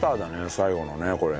最後のねこれ。